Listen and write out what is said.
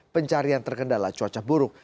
pencarian terkendala cuaca buruk